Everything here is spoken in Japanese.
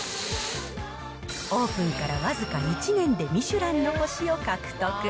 オープンから僅か１年でミシュランの星を獲得。